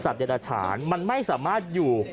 สัตว์เด็ดอาฉารมันไม่สามารถอยู่